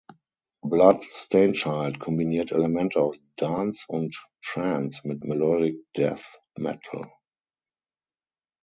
Blood Stain Child kombiniert Elemente aus Dance und Trance mit Melodic Death Metal.